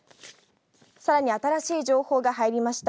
さらに新しい情報が入りました。